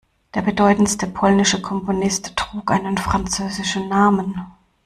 Der bedeutendste polnische Komponist trug einen französischen Namen.